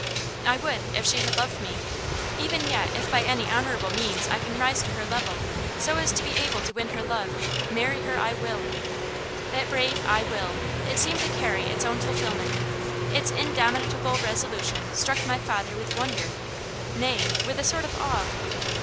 "I would if she had loved me. Even yet, if by any honourable means I can rise to her level, so as to be able to win her love, marry her I will." That brave "I will" it seemed to carry its own fulfilment. Its indomitable resolution struck my father with wonder nay, with a sort of awe.